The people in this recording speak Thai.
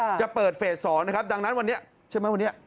จะเปิดเฟสสองนะครับดังนั้นวันนี้ใช่ไหมวันนี้